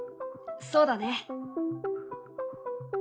そうだね。